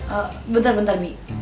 eh bentar bentar bi